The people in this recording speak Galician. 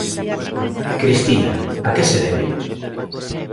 Cristina, a que se debe?